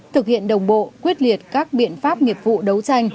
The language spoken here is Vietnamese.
thực hiện đồng bộ quyết liệt các biện pháp nghiệp vụ đấu tranh